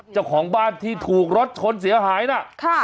เจ้าของบ้านที่ถูกรถชนเสียหายนะ